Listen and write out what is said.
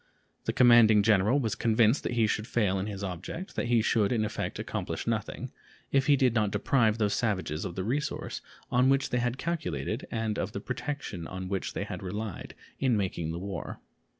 The commanding general was convinced that he should fail in his object, that he should in effect accomplish nothing, if he did not deprive those savages of the resource on which they had calculated and of the protection on which they had relied in making the war.